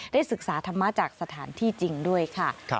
ศึกษาธรรมะจากสถานที่จริงด้วยค่ะ